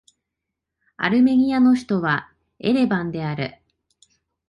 アルメニアの首都はエレバンである